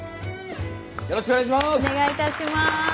よろしくお願いします！